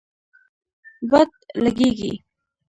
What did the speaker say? باد لږیږی